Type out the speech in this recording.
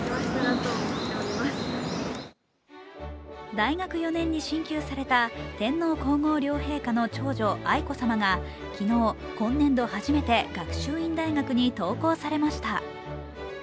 大学４年に進級された天皇皇后両陛下の長女・愛子さまが昨日、今年度初めて学習院大学に登校されました。